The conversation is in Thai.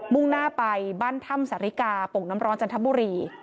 ่งหน้าไปบ้านถ้ำสาริกาโป่งน้ำร้อนจันทบุรี